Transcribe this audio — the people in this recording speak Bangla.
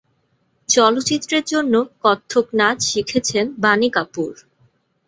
চলচ্চিত্রের জন্য কত্থক নাচ শিখেছেন বাণী কাপুর।